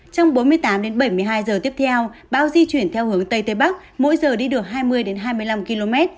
trong bốn mươi tám đến bảy mươi hai giờ tiếp theo bão di chuyển theo hướng tây tây bắc mỗi giờ đi được hai mươi hai mươi năm km